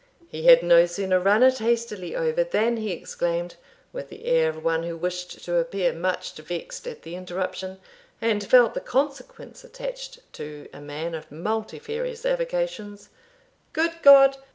He had no sooner run it hastily over, than he exclaimed, with the air of one who wished to appear much vexed at the interruption, and felt the consequence attached to a man of multifarious avocations "Good God!